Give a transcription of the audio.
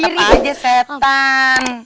iya tetep aja setan